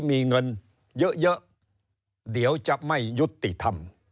มีเงินเยอะเดี๋ยวจะไม่ยุติธรรม